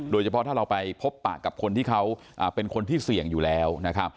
โดยเฉพาะถ้าเราไปพบปะกับคนที่เขาเป็นคนที่เสี่ยงอยู่แล้วนะครับ